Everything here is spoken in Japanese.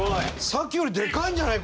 さっきよりでかいんじゃない？